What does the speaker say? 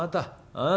ああ。